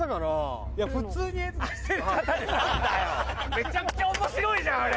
めちゃくちゃ面白いじゃん。